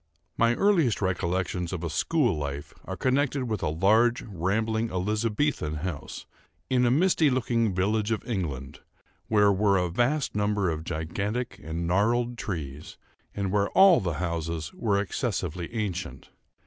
My earliest recollections of a school life, are connected with a large, rambling, Elizabethan house, in a misty looking village of England, where were a vast number of gigantic and gnarled trees, and where all the houses were excessively ancient.